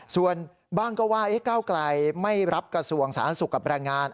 ส่วนบ้างก็ว่าก้าวไกลไม่รับกระทรวงสาธารณสุขกับแรงงาน